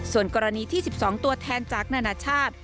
ส่วนกรณีที่๑๒ตัวแทนจากนานาชาติ